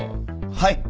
はい。